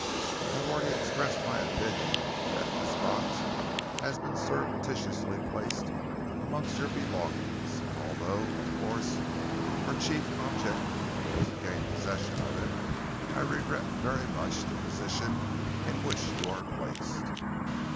I have already expressed my opinion that this box has been surreptitiously placed amongst your belongings, and although, of course, our chief object was to gain possession of it, I regret very much the position in which you are placed."